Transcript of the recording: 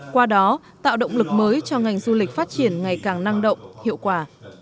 qua đó tạo động lực mới cho ngành du lịch phát triển ngày càng năng động hiệu quả